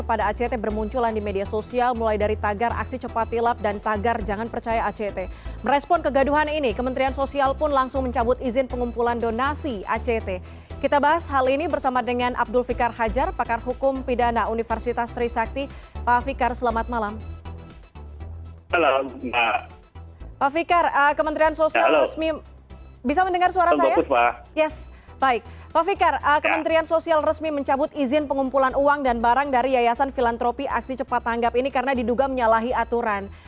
pak fikar kementerian sosial resmi mencabut izin pengumpulan uang dan barang dari yayasan filantropi aksi cepat tanggap ini karena diduga menyalahi aturan